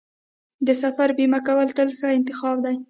د سفر بیمه کول تل ښه انتخاب دی.